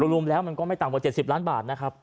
รวมแล้วมันก็ไม่ต่ำกว่า๗๐ล้านบาทนะครับ